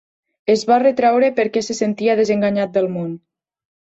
Es va retreure perquè se sentia desenganyat del món.